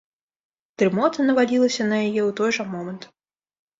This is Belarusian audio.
Дрымота навалілася на яе ў той жа момант.